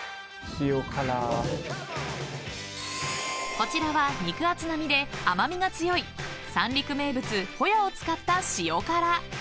［こちらは肉厚な身で甘味が強い三陸名物ほやを使った塩辛］